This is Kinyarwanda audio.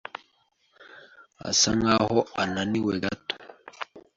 asa nkaho anaweniwe gato.